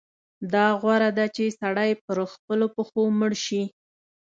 دا غوره ده چې سړی پر خپلو پښو مړ شي.